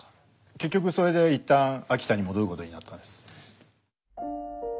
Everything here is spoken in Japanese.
結局それで一旦秋田に戻ることになったんです。